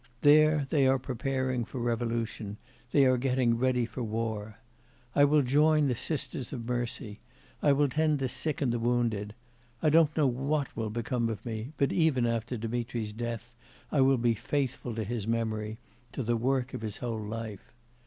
There, they are preparing for revolution, they are getting ready for war. I will join the Sisters of Mercy; I will tend the sick and the wounded. I don't know what will become of me, but even after Dmitri's death, I will be faithful to his memory, to the work of his whole life.